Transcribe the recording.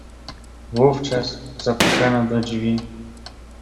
"Wówczas zapukano do drzwi."